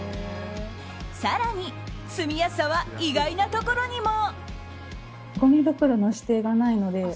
更に、住みやすさは意外なところにも。